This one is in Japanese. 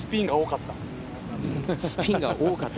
スピンが多かった。